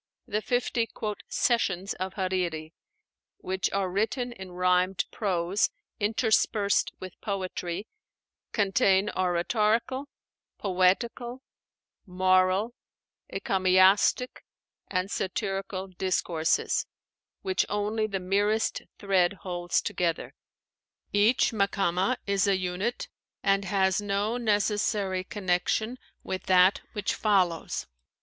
The fifty "sessions" of Hariri, which are written in rhymed prose interspersed with poetry, contain oratorical, poetical, moral, encomiastic, and satirical discourses, which only the merest thread holds together. Each Makámah is a unit, and has no necessary connection with that which follows.